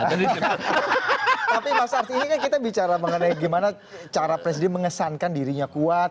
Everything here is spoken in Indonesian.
tapi mas arti ini kan kita bicara mengenai gimana cara presiden mengesankan dirinya kuat